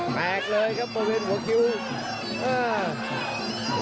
แท๊กเลยครับสรุปครับเปลวิทย์หัวกิว